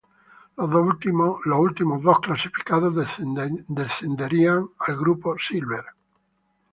Los últimos dos clasificados descendían al grupo "Silver".